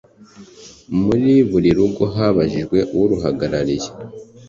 Muri buri rugo habajijwe uruhagarariye